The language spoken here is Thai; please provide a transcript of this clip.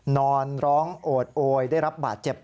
นอนร้องโอดโอยได้รับบาดเจ็บ